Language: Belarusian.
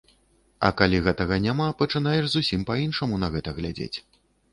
А калі гэтага няма, пачынаеш зусім па-іншаму на гэта глядзець.